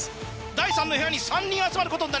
第３の部屋に３人集まることになります。